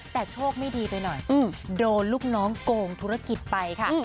แต่โชคไม่ดีไปหน่อยโดนลูกน้องโกงธุรกิจไปค่ะ